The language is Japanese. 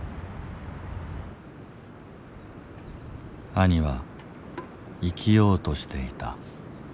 兄は生きようとしていた。